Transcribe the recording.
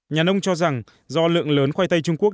nhà nông cho rằng do lượng lớn khoai tây trung quốc